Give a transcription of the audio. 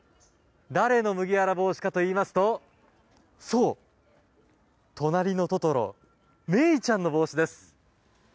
誰の麦わら帽子かといいますとそう、「となりのトトロ」メイちゃんの帽子です。